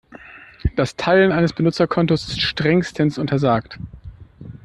Das Teilen eines Benutzerkontos ist strengstens untersagt.